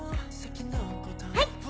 はい！